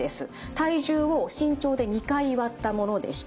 体重を身長で２回割ったものでして。